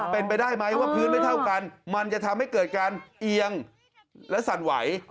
เป็นไปได้ไหมว่าพื้นไม่เท่ากันมันจะทำให้เกิดการเอียงและสั่นไหว